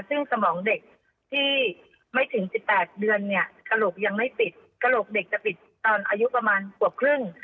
ซึ่งสมองเด็กที่ไม่ถึง๑๘เดือนเนี่ยกระโหลกยังไม่ปิดกระโหลกเด็กจะปิดตอนอายุประมาณขวบครึ่ง